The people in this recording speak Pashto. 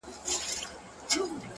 باد را الوتی ـ له شبِ ستان دی ـ